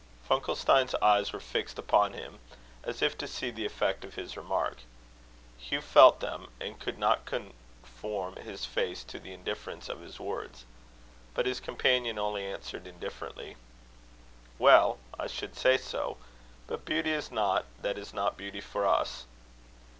Funkelstein's eyes were fixed upon him, as if to see the effect of his remark. Hugh felt them, and could not conform his face to the indifference of his words. But his companion only answered indifferently: "Well, I should say so; but beauty is not, that is not beauty for us."